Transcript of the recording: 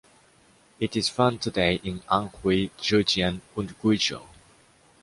It is found today in Anhui, Zhejiang and Guizhou.